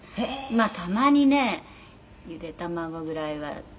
「まあたまにねゆで卵ぐらいは作ったりね」